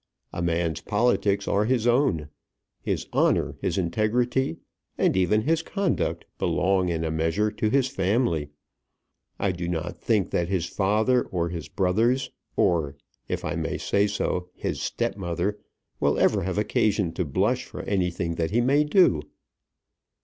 A man's politics are his own. His honour, his integrity, and even his conduct belong in a measure to his family. I do not think that his father, or his brothers, or, if I may say so, his stepmother, will ever have occasion to blush for anything that he may do."